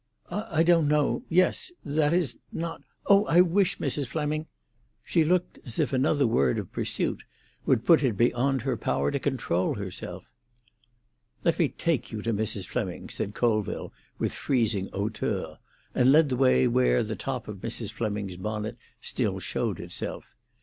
"I don't know—yes. That is, not——Oh, I wish Mrs. Fleming——" She looked as if another word of pursuit would put it beyond her power to control herself. "Let me take you to Mrs. Fleming," said Colville, with freezing hauteur; and led the way where the top of Mrs. Fleming's bonnet still showed itself.